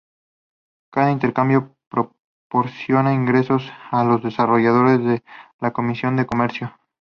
Cada intercambio proporciona ingresos a los desarrolladores desde la comisión de comercio.